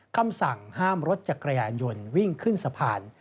คำสั่งห้ามรถจักรยานยนต์วิ่งขึ้นสะพาน